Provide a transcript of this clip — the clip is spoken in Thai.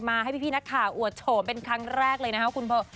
ให้พี่นักข่าวอวดโฉมเป็นครั้งแรกเลยนะคะคุณโบ